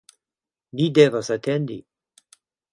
ni devas atendi!